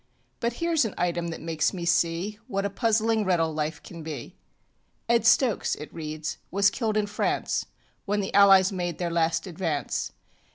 But hereŌĆÖs an item that makes me see What a puzzling riddle life can be. ŌĆ£Ed Stokes, ŌĆØ it reads, ŌĆ£was killed in France When the Allies made their last advance.